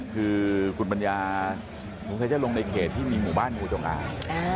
คือคุณปัญญาคุณเขาจะลงในเขตที่มีหมู่บ้านงูจงอาง